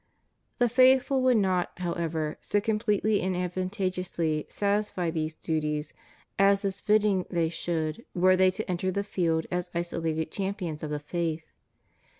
The faithful would not, however, so completely and advantageously satisfy these duties as is fitting they should were they to enter the field as isolated champions of the faith.